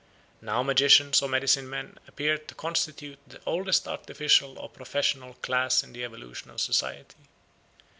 Now magicians or medicine men appear to constitute the oldest artificial or professional class in the evolution of society.